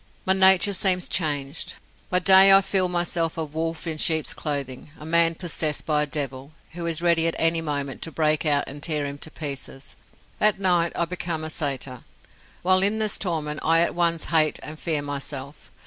My nature seems changed. By day I feel myself a wolf in sheep's clothing; a man possessed by a devil, who is ready at any moment to break out and tear him to pieces. At night I become a satyr. While in this torment I at once hate and fear myself.